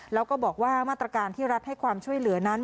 แล้วก็บอกว่ามาตรการที่รัฐให้ความช่วยเหลือนั้น